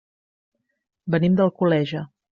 Venim d'Alcoleja.